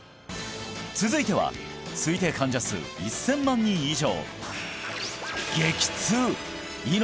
続いては推定患者数１０００万人以上！